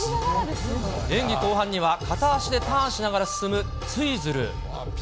演技後半には片足でターンしながら進むツイズル。